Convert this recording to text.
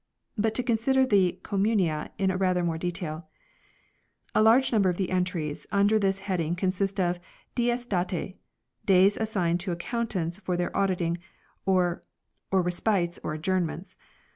But to consider the " Com munia " in rather more detail : A large number of the entries under this heading consist of " dies dati " days assigned to Accountants for their auditing or respites or adjournments.